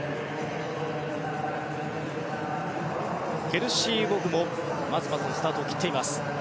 ケルシー・ローレン・ウォグまずまずのスタートを切っています。